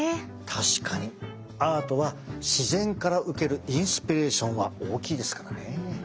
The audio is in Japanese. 確かにアートは自然から受けるインスピレーションは大きいですからね。